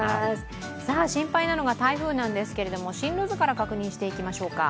心配なのが台風なんですけれども、進路図から確認していきましょうか。